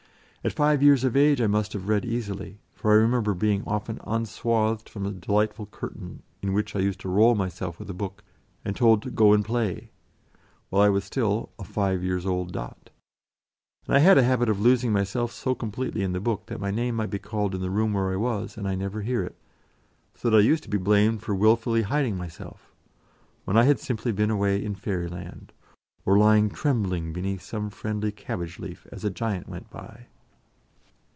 At five years of age I must have read easily, for I remember being often unswathed from a delightful curtain, in which I used to roll myself with a book, and told to "go and play," while I was still a five years' old dot. And I had a habit of losing myself so completely in the book that my name might be called in the room where I was, and I never hear it, so that I used to be blamed for wilfully hiding myself, when I had simply been away in fairyland, or lying trembling beneath some friendly cabbage leaf as a giant went by.